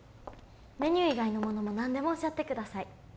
メニュー以外のものも何でもおっしゃってください